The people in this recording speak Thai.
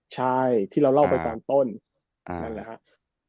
ใช่ที่เราเล่าไปตอนต้นนั่นแหละครับ